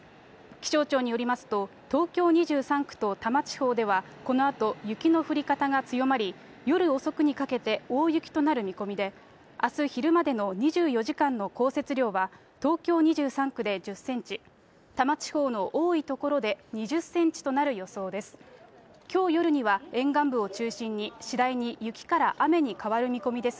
気象庁によりますと、東京２３区と多摩地方では、このあと雪の降り方が強まり、夜遅くにかけて、大雪となる見込みで、あす昼までの２４時間の降雪量は、東京２３区で１０センチ、多摩地方の多い所で２０センチとなる予想です。